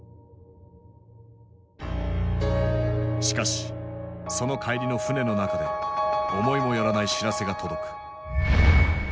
しかしその帰りの船の中で思いもよらない知らせが届く。